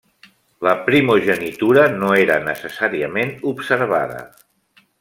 La primogenitura no era necessàriament observada.